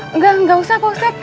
enggak enggak usah pak ustad